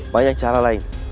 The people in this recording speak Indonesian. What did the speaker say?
banyak cara lain